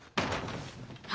は？